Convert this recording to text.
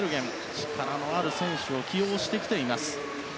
力のある選手を起用してきています。